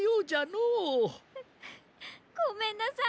ううごめんなさい！